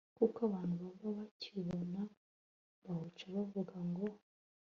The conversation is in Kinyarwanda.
kuko abantu baba bakibona. bawuca bavuga ngo